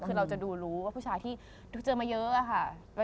คือเราจะดูรู้ว่าผู้ชายที่เจอมาเยอะอะค่ะ